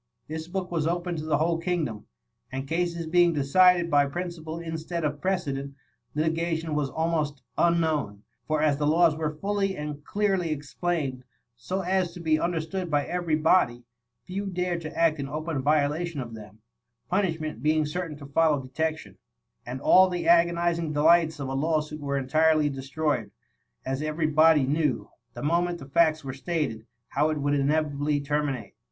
This book was open to the whole king dom ; and cases being decided by principle in stead of precedent, litigation . was almost un known: for as the laws were fully and clear ly explained, so as to be understood by every body, few dared to act in open violation of them, punishment being certain to follow de tection; and all the agonizing delights of a lawsuit were entirely destroyed, as every body knew, the moment the facts were stated, how it would inevitably terminate.